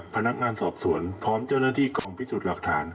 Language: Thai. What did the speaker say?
พนักงานสอบสวนพร้อมเจ้าหน้าที่กองพิสูจน์หลักฐาน